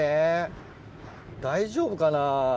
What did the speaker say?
大丈夫かな。